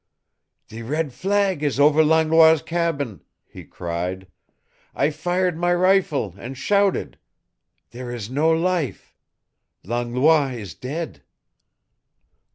"The red flag is over Langlois' cabin!" he cried. "I fired my rifle and shouted. There is no life! Langlois is dead!"